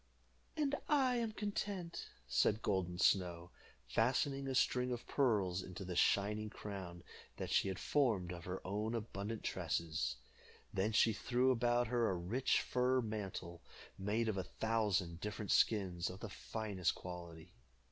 "And I am content," said Golden Snow, fastening a string of pearls into the shining crown that she had formed of her own abundant tresses. Then she threw about her a rich fur mantle, made of a thousand different skins of the finest quality.